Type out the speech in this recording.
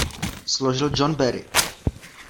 Složil John Barry.